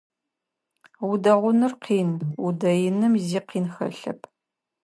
Удэгъуныр къин, удэиным зи къин хэлъэп.